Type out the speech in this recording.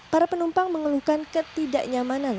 para penumpang mengeluhkan ketidaknyamanan